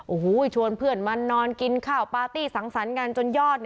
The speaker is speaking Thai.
โอ้โหชวนเพื่อนมานอนกินข้าวปาร์ตี้สังสรรค์กันจนยอด